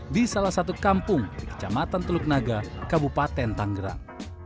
di salah satu kampung di kecamatan teluk naga kabupaten tanggerang